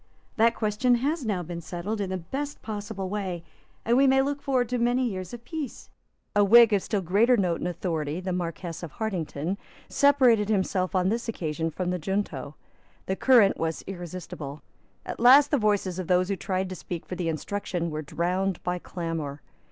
That question has now been settled in the best possible way; and we may look forward to many years of peace." A Whig of still greater note and authority, the Marquess of Hartington, separated himself on this occasion from the junto. The current was irresistible. At last the voices of those who tried to speak for the Instruction were drowned by clamour.